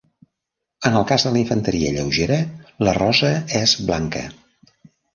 En el cas de la Infanteria Lleugera, la rosa és blanca.